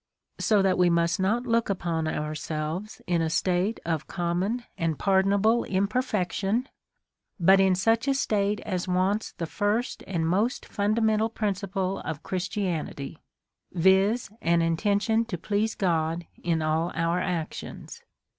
So that we must not look upon ourselves in a state of common and pardonable imperfection, but in such a state as wants the first and most funda mental principle of Christianity, viz. an intention to please God in all our actions.